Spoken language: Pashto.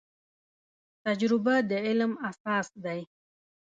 تجربه د علم اساس دی